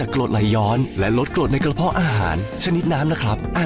ขอแนะนำซอสคอร์ดี้ภูมิทราย